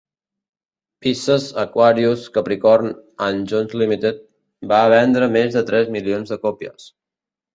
'Pisces, Aquarius, Capricorn and Jones Limited' va vendre més de tres milions de còpies.